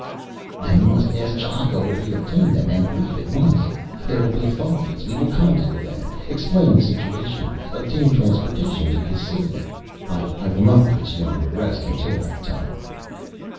"Then we must ask Ch'aka where he obtained them and leave at once. There will be authorities, we will contact them, explain the situation, obtain transportation to Cassylia. I will not place you under arrest again until that time."